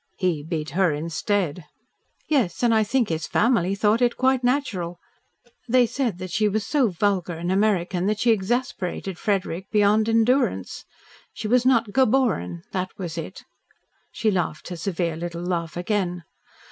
"He beat her instead." "Yes, and I think his family thought it quite natural. They said that she was so vulgar and American that she exasperated Frederick beyond endurance. She was not geboren, that was it." She laughed her severe little laugh again.